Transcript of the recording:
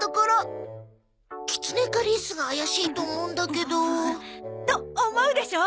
キツネかリスが怪しいと思うんだけど。と思うでしょ？